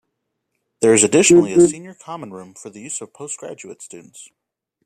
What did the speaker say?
There is additionally a Senior Common Room for the use of postgraduate students.